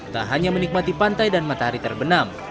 tak hanya menikmati pantai dan matahari terbenam